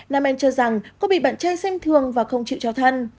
nam em cho rằng cô bị bạn trai xem thường và không chịu cho thân